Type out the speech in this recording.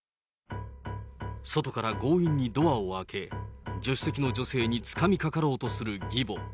外から強引にドアを開け、助手席の女性につかみかかろうとする義母。